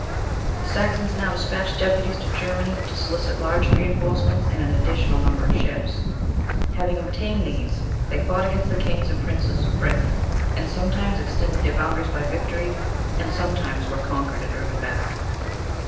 The Saxons now despatched deputies to Germany to solicit large reinforcements, and an additional number of ships: having obtained these, they fought against the kings and princes of Britain, and sometimes extended their boundaries by victory, and sometimes were conquered and driven back.